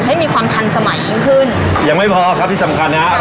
ให้มีความทันสมัยยิ่งขึ้นยังไม่พอครับที่สำคัญนะฮะ